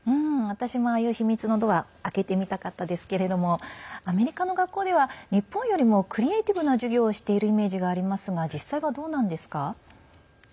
私もああいう秘密のドア開けてみたかったですけれどもアメリカの学校では日本よりもクリエーティブな授業をしているイメージがありますが実際はどうなんですか？